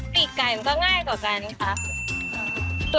ปีกไก่มันก็ง่ายกว่ากันคะ